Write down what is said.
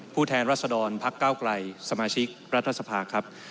แทนรัศดรพักเก้าไกลสมาชิกรัฐสภาครับ